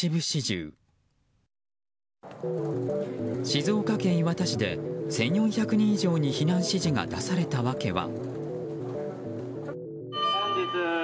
静岡県磐田市で１４００人以上に避難指示が出されたわけは。